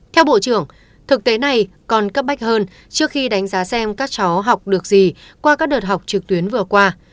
theo bộ trưởng thực tế này còn cấp bách hơn trước khi đánh giá xem các cháu học được gì qua các đợt học trực tuyến vừa qua